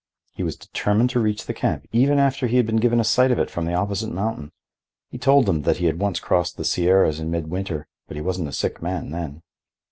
He was determined to reach the camp, even after he had been given a sight of it from the opposite mountain. He told them that he had once crossed the Sierras in midwinter. But he wasn't a sick man then."